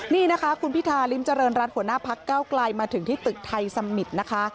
นี่นะคะคุณพิธาริมเจริญรัฐหัวหน้าพักเก้าไกลมาถึงที่ตึกไทยสมิตรนะคะ